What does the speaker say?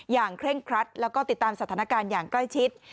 เคร่งครัดแล้วก็ติดตามสถานการณ์อย่างใกล้ชิด